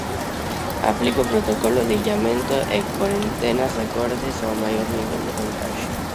Aplique protocolo de illamento e corentenas acordes ao maior nivel de contaxio.